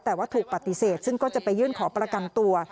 แต่ว่าถูกปฏิเสธซึ่งก็จะไปยื่นขอประกันตัว